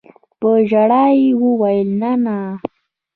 په ژړا يې وويل نانىه.